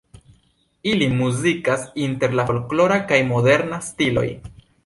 Ili muzikas inter la folklora kaj moderna stiloj.